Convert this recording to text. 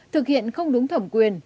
thực hiện không đúng thẩm quyền